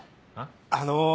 あの。